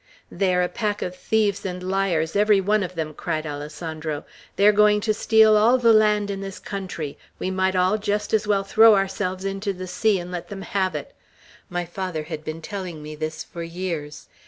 "They are a pack of thieves and liars, every one of them!" cried Alessandro. "They are going to steal all the land in this country; we might all just as well throw ourselves into the sea, and let them have it. My father had been telling me this for years.